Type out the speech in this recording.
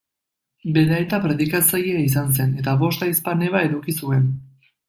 Bere aita predikatzailea izan zen, eta bost ahizpa-neba eduki zuen.